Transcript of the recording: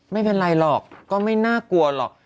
ไม่เป็นไรหรอกก็ไม่น่ากลัวหรอก